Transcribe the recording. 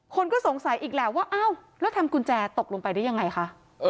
คนก็สงสัยอีกแหละว่าอ้าวแล้วทำกุญแจตกลงไปได้ยังไงคะ